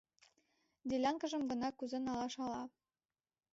— Делянкыжым гына кузе налаш, ала.